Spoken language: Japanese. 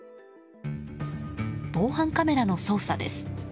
防犯カメラの操作です。